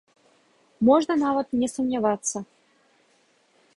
Можна нават не сумнявацца.